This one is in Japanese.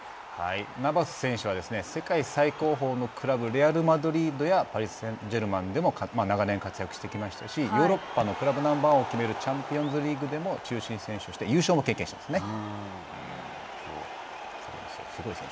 ナバス選手は世界最高峰のクラブレアルマドリードやパリ・サンジェルマンでも長年活躍してきたしヨーロッパのクラブナンバーワンを決めるチャンピオンズリーグでも中心選手として優勝も経験していますね。